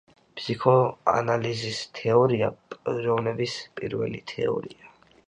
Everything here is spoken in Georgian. ფსიქოანალიზის თეორია პიროვნების პირველი თეორიაა.